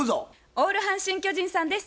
オール阪神・巨人さんです。